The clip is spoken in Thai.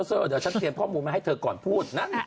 เธอเดี๋ยวฉันเตรียมข้อมูลมาให้เธอก่อนพูดนั้น